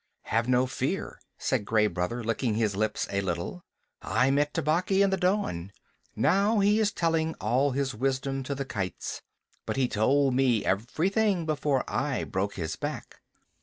"Have no fear," said Gray Brother, licking his lips a little. "I met Tabaqui in the dawn. Now he is telling all his wisdom to the kites, but he told me everything before I broke his back.